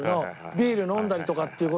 ビール飲んだりとかっていう事。